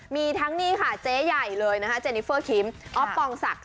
มีทั้งนี่ค่ะเจ๊ใหญ่เลยนะคะเจนิเฟอร์คิมอฟปองศักดิ